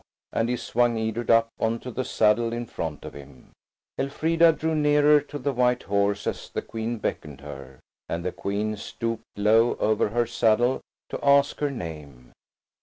and he swung Edred up on to the saddle in front of him. Elfrida drew nearer to the white horse as the Queen beckoned her, and the Queen stooped low over her saddle to ask her name.